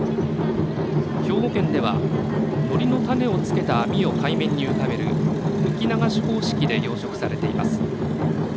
兵庫県ではのりの種をつけた網を海面に浮かべる浮き流し方式で養殖されています。